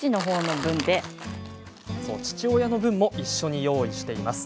父親の分も一緒に用意しています。